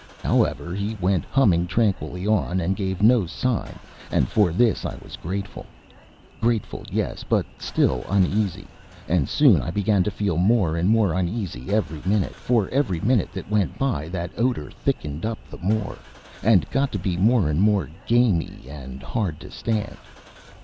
However, he went humming tranquilly on, and gave no sign; and for this I was grateful. Grateful, yes, but still uneasy; and soon I began to feel more and more uneasy every minute, for every minute that went by that odor thickened up the more, and got to be more and more gamey and hard to stand.